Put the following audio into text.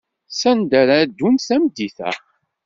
Sanda ara ddunt tameddit-a?